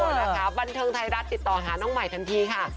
นะคะบันเทิงไทยรัฐติดต่อหาน้องใหม่ทันทีค่ะ